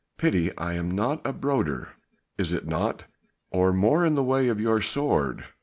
Pity I am not broader, is it not? or more in the way of your sword.